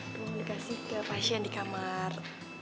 gue mau dikasih ke pasien di kamar